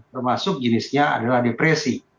termasuk jenisnya adalah depresi